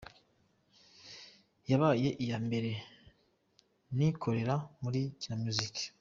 yabaye iya mbere na ikorera muri Kina Miyuziki.